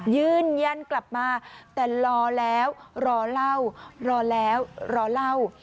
ยืนยันกลับมาแต่รอแล้วรอเล่ารอแล้วรอเล่า